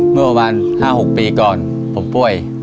เมื่อประมาณ๕๖ปีก่อนผมป่วย